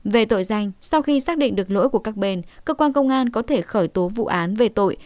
về tội danh sau khi xác định được lỗi của các bên cơ quan công an có thể khởi tố vụ án về tội